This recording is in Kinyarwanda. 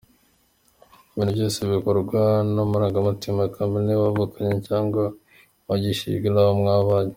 Ibintu byose bikorwa n’amarangamutima ya kamere wavukanye cyangwa wagishijwe n’abo mwabanye.